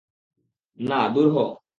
না, দূর হ।